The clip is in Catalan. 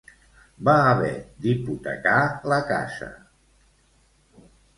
Va haver d'hipotecar la casa.